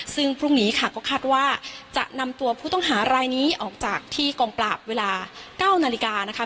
ซึ่งพรุ่งนี้ค่ะก็คาดว่าจะนำตัวผู้ต้องหารายนี้ออกจากที่กองปราบเวลา๙นาฬิกานะคะ